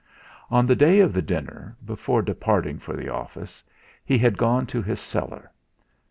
On the day of the dinner, before departing for the office, he had gone to his cellar.